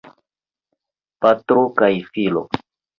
Patro kaj filo.